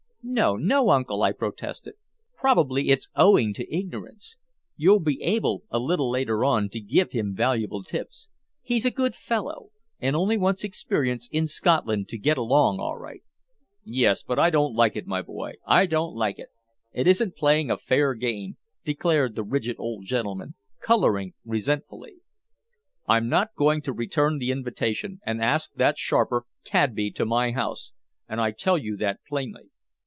"No, no, uncle," I protested. "Probably it's owing to ignorance. You'll be able, a little later on, to give him valuable tips. He's a good fellow, and only wants experience in Scotland to get along all right." "Yes. But I don't like it, my boy, I don't like it! It isn't playing a fair game," declared the rigid old gentleman, coloring resentfully. "I'm not going to return the invitation and ask that sharper, Cadby, to my house and I tell you that plainly."